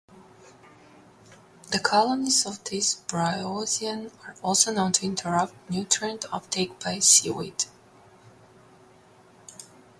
The colonies of this bryozoan are also known to interrupt nutrient uptake by seaweed.